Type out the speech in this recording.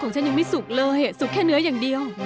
ฉันยังไม่สุกเลยสุกแค่เนื้ออย่างเดียว